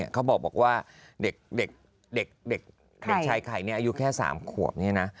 เขาบอกว่าเด็กชายไข่อายุแค่๓ขวบนี่นะ